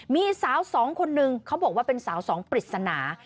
มีสาวสองคนนึงเขาบอกว่าเป็นสาวสองปริศนา